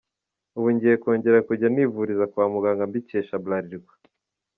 Ubu ngiye kongera kujya nivuriza kwa muganga mbikesha Bralirwa.